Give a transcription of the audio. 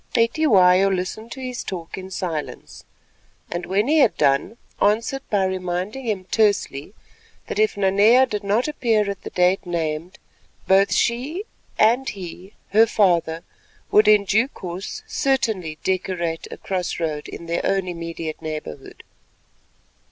Cetywayo listened to his talk in silence, and when he had done answered by reminding him tersely that if Nanea did not appear at the date named, both she and he, her father, would in due course certainly decorate a cross road in their own immediate neighbourhood.